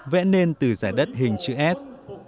vẽ nên từ giải đất hình chữ s